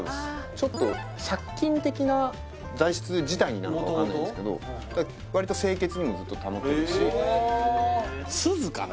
ちょっと殺菌的な材質自体になのか分かんないんですけどわりと清潔にもずっと保てるしすずかな？